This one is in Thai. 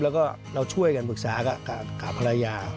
แล้วก็เราช่วยกันปรึกษากับภรรยา